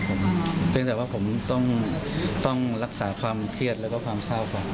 ผมก็ตั้งใจมาเอาตัวครับเพราะว่าผมต้องรักษาความเครียดแล้วก็ความเศร้ากว่าครับ